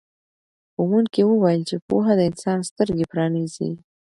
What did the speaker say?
ښوونکي وویل چې پوهه د انسان سترګې پرانیزي.